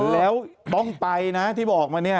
แล้วต้องไปนะที่บอกมาเนี่ย